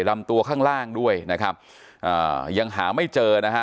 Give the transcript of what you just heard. ลำตัวข้างล่างด้วยนะครับอ่ายังหาไม่เจอนะฮะ